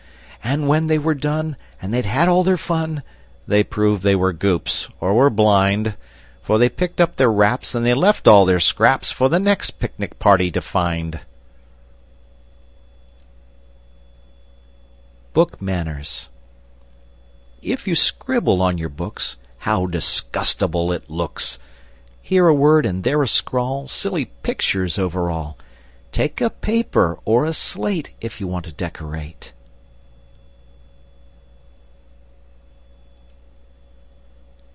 And when they were done, and they'd had all their fun, They proved they were Goops, or were blind; For they picked up their wraps and they left all their scraps For the next picnic party to find! [Illustration: Book Manners] BOOK MANNERS If you scribble on your books, How disgustable it looks! Here a word, and there a scrawl, Silly pictures over all! Take a paper, or a slate, If you want to decorate!